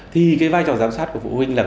thì cái vai trò giám sát của phụ huynh là